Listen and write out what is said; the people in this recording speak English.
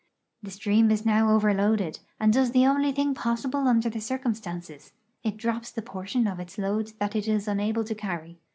The stream is now overloaded, and does the onh' thing possilde under the circum stances— it drops the portion of its load that it is unable to carry.